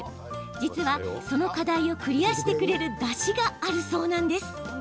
実はその課題をクリアしてくれるだしがあるそうなんです。